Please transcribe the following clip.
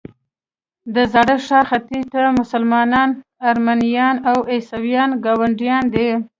د زاړه ښار ختیځ ته مسلمانان، ارمنیان او عیسویان ګاونډیان دي.